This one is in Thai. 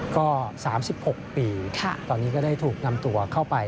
ก็๓๖ปีตอนนี้ก็ได้ถูกนำตัวเข้าไป